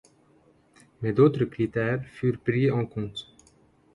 Mais d'autres critères furent pris en compte.